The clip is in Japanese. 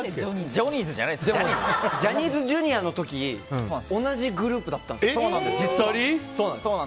ジャニーズＪｒ．の時同じグループだったんです。